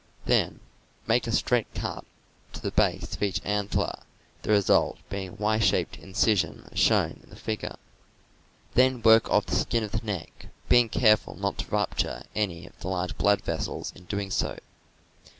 Then make a straight cut to the base of each antler, the result being a Y shaped incision as shown in the figure. Then work off the skin of the neck, being careful not to rupture any of the large blood vessels in doing so.